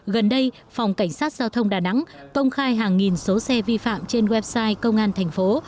gần đây phòng cảnh sát giao thông đà nẵng công khai hàng nghìn số xe vi phạm trên website công an thành phố